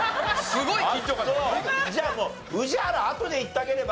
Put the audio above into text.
じゃあもう宇治原あとでいってあげれば？